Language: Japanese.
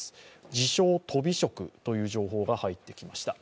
自称・とび職という情報が入ってきました。